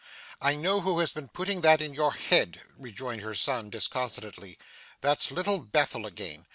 'I know who has been putting that in your head,' rejoined her son disconsolately; 'that's Little Bethel again.